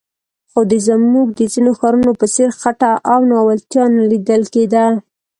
خو د زموږ د ځینو ښارونو په څېر خټه او ناولتیا نه لیدل کېده.